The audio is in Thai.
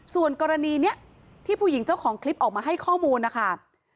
ส่วนกรณีนี้ที่ผู้หญิงเจ้าของคลิปออกมาให้ข้อมูลนะคะ